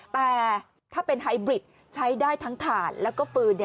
แต่ถ้าเป็นไฮบริดใช้ได้ทั้งถ่านแล้วก็ฟืน